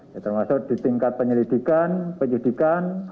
ya termasuk di tingkat penyelidikan penyidikan